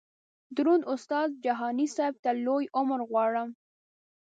دروند استاد جهاني صیب ته لوی عمر غواړم.